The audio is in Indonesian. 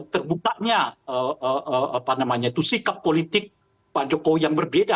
terbukanya sikap politik pak jokowi yang berbeda